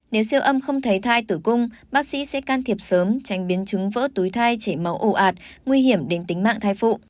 nếu siêu âm không thấy thai tử cung bác sĩ sẽ can thiệp sớm tránh biến chứng vỡ túi thai chảy máu ồ ạt nguy hiểm đến tính mạng thai phụ